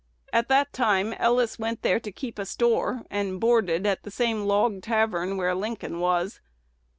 At that time Ellis went there to keep a store, and boarded "at the same log tavern" where Lincoln was.